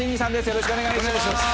よろしくお願いします